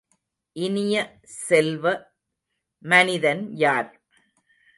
இனிய செல்வ, மனிதன் யார்?